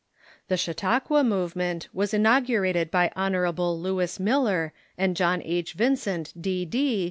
The Chautauqua movement was inaugurated by Hon. Lewis Miller and John H. Vincent, D.D.